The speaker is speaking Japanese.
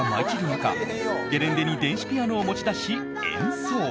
中ゲレンデに電子ピアノを持ち出し演奏。